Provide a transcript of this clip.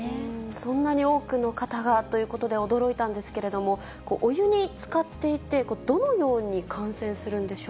そんなに多くの方がということで、驚いたんですけれども、お湯につかっていて、そうですね。